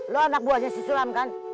lo anak buahnya si sulam kan